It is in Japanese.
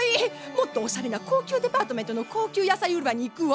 もっとおしゃれな高級デパートメントの高級野菜売り場に行くわ。